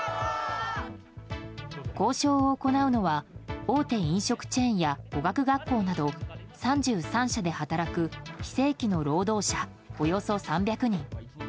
交渉を行うのは大手飲食チェーンや語学学校など３３社で働く非正規の労働者およそ３００人。